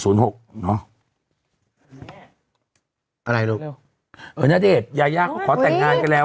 ศูนย์หกเนาะอะไรลูกเออณเดชยายาเขาขอแต่งงานกันแล้ว